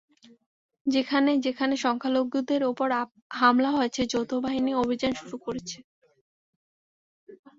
যেখানে যেখানে সংখ্যালঘুদের ওপর হামলা হয়েছে, যৌথ বাহিনী অভিযান শুরু করেছে।